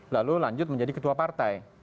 lalu lanjut menjadi ketua partai